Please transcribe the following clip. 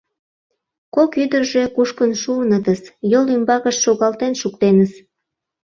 Кок ӱдыржӧ кушкын шуынытыс, йол ӱмбакышт шогалтен шуктеныс.